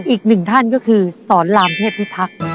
อีกหนึ่งท่านก็คือสอนรามเทพิทักษ์